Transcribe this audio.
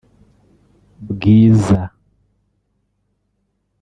Bwiza